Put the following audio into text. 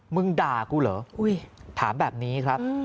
มึงด่ากูเหรอถามแบบนี้ครับ